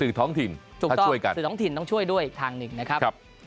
สื่อท้องถิ่นถ้าช่วยกันถูกต้องสื่อท้องถิ่นต้องช่วยด้วยอีกทางหนึ่งนะครับครับ